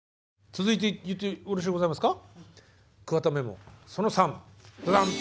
続いてよろしゅうございますか？